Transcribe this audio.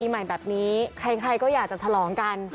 ใหม่แบบนี้ใครก็อยากจะฉลองกัน